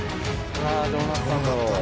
うわあどうなったんだろう？